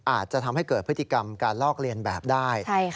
อาจจะทำให้เกิดพฤติกรรมการลอกเลียนแบบได้